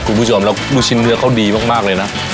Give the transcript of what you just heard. คุณผู้ชมแล้วลูกชิ้นเนื้อเขาดีมากเลยนะ